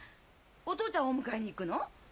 お父ちゃんをお迎えに行くの？